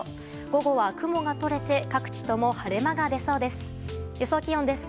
午後は雲が取れて各地とも晴れ間が出そうです。